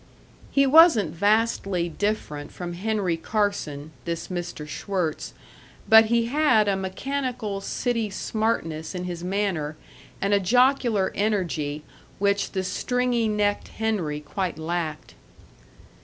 He wasn't vastly different from Henry Carson, this Mr. Schwirtz, but he had a mechanical city smartness in his manner and a jocular energy which the stringy necked Henry quite lacked.